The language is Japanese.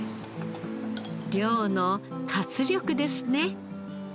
漁の活力ですね。